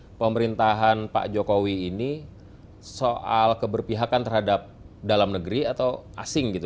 bagaimana pemerintahan pak jokowi ini soal keberpihakan terhadap dalam negeri atau asing gitu